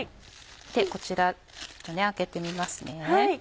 こちら開けてみますね。